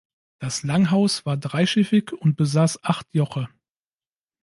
Das Langhaus war dreischiffig und besaß acht Joche.